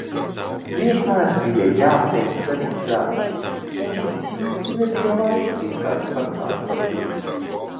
Vienmēr bija jāsteidz darīt darbi un īsti nebija laiks vienkārši parunāt par dzīvi.